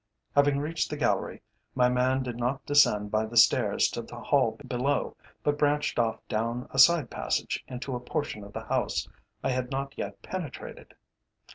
Having reached the gallery, my man did not descend by the stairs to the hall below, but branched off down a side passage into a portion of the house I had not yet penetrated.